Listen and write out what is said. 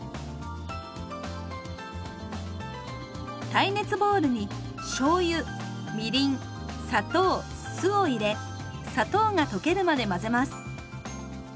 耐熱ボウルにしょうゆみりん砂糖酢を入れ砂糖が溶けるまで混ぜます。